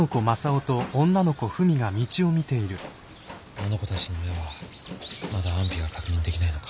あの子たちの親はまだ安否が確認できないのか。